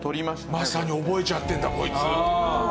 まさに覚えちゃってるんだこいつ。